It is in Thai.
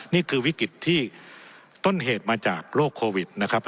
วิกฤตที่ต้นเหตุมาจากโรคโควิดนะครับ